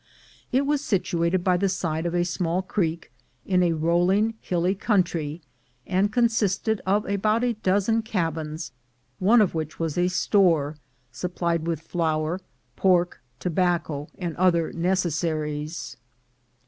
It was situated by the side of a small creek, in a rolling hilly country, and consisted of about a dozen cabins, one of which was a store supplied with flour, pork, tobacco, and other necessaries.